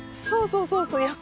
そうそうそうそう。